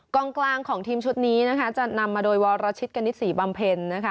กองกลางของทีมชุดนี้จะนำมาโดยวรชิตกณิตศรีบำเพ็ญ